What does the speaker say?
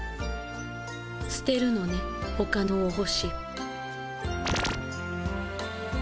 すてるのねほかのお星。